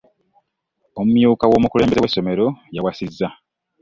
Omumyuka w'omukulembeze w'essomero yawasizza.